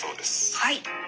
はい。